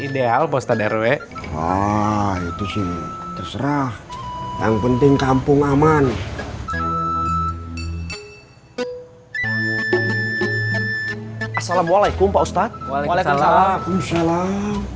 ideal postad rw itu sih terserah yang penting kampung aman assalamualaikum pak ustadz waalaikumsalam